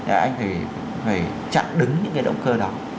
anh phải chặn đứng những cái động cơ đó